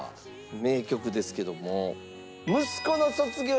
名曲ですけども。